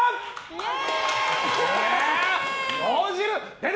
イエーイ！